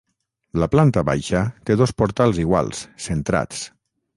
La planta baixa té dos portals iguals, centrats.